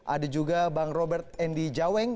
ada juga bang robert endi jaweng